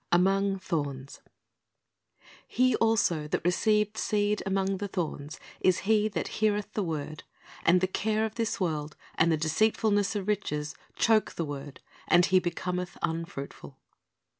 AMONG THORNS "He also that received seed among the thorns is he that heareth the word; and the care of this world, and the deceitfulness of riches, choke the word, and he becometh unfruitful."